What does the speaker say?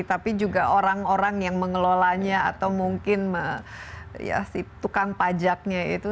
tapi juga orang orang yang mengelolanya atau mungkin si tukang pajaknya itu